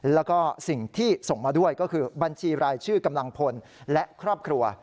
แล้วก็สิ่งที่ส่งมาด้วยก็คือบัญชีรายชื่อกำลังพลและครอบครัว